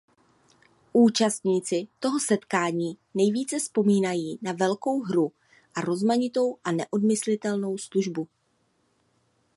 Účastníci toho setkání nejvíce vzpomínají na velkou hru a rozmanitou a neodmyslitelnou službu.